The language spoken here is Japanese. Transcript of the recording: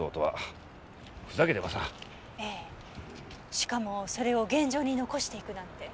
しかもそれを現場に残していくなんて。